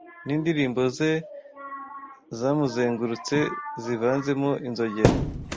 Nindirimbo ze zamuzengurutse zivanzemo inzogera